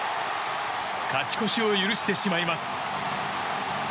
勝ち越しを許してしまいます。